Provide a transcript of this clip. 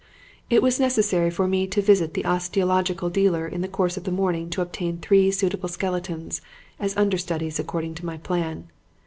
"It was necessary for me to visit the osteological dealer in the course of the morning to obtain three suitable skeletons as understudies according to my plan.